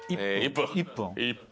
１分？